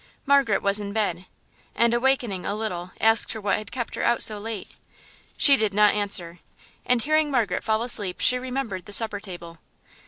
Margaret was in bed, and awakening a little asked her what had kept her out so late. She did not answer... and hearing Margaret fall asleep she remembered the supper table.